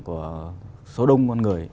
của số đông con người